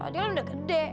dia udah gede